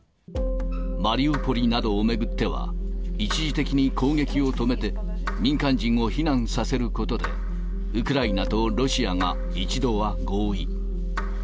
マリウポリなどを巡っては、一時的に攻撃を止めて、民間人を避難させることで、ウクライナとロシアが一度は合意。